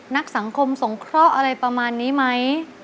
นักสังคมสงเคราะห์อะไรประมาณนี้ไหม